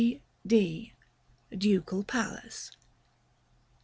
D D D. Ducal Palace.